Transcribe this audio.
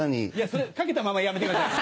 それ掛けたままやめてください。